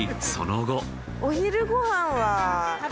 お昼ご飯は？